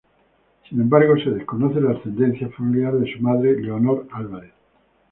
Sin embargo, se desconoce la ascendencia familiar de su madre, Leonor Álvarez.